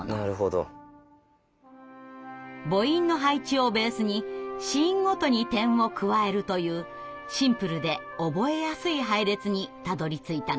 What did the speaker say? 母音の配置をベースに子音ごとに点を加えるというシンプルで覚えやすい配列にたどりついたのです。